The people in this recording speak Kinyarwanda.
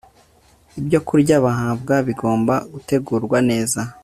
Ibyokurya bahabwa bigomba gutegurwa neza